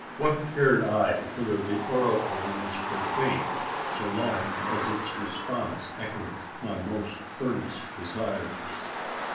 What cared I whether the oracle was profane, so long as its response echoed my most earnest desires?